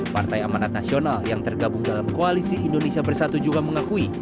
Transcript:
partai amanat nasional yang tergabung dalam koalisi indonesia bersatu juga mengakui